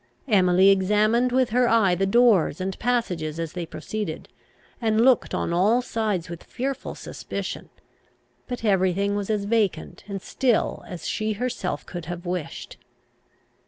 Emily examined with her eye the doors and passages as they proceeded, and looked on all sides with fearful suspicion; but every thing was as vacant and still as she herself could have wished.